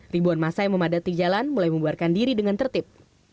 ribuan masa yang memadati jalan mulai membuarkan diri dengan tertib